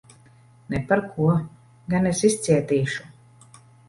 Ne par ko! Gan es izcietīšu.